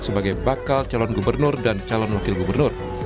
sebagai bakal calon gubernur dan calon wakil gubernur